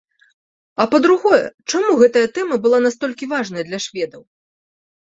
А па-другое, чаму гэтая тэма была настолькі важнай для шведаў?